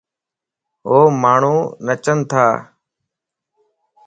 ووماڻھو نچن تا